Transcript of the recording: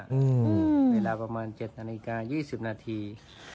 เวลาประมาณ๗นาฬิกา๒๐นาที